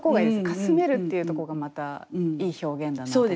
かすめるっていうとこがまたいい表現だなと思って。